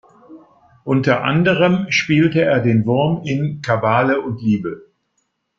Unter anderem spielte er den Wurm in "Kabale und Liebe".